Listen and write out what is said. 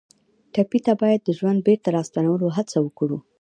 ټپي ته باید د ژوند بېرته راستنولو هڅه وکړو.